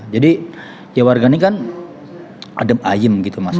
jadi warganya kan adem ayem gitu mas